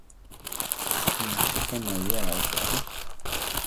¿A machi kanayéa okochí?